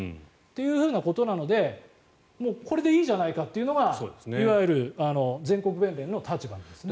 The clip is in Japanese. ということなのでこれでいいじゃないかというのがいわゆる全国弁連の立場なんです。